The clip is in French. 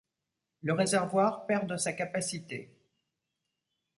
Le réservoir perd de sa capacité.